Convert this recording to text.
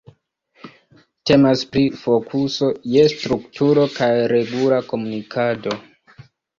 Temas pri fokuso je strukturo kaj regula komunikado.